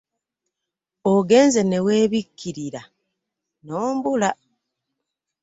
Ogenze ne weebikkirira n'ombula.